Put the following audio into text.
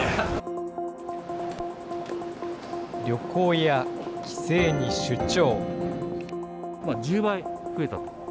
旅行や帰省に出張。